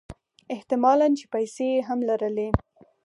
احت مالًا چې پیسې هم لرلې.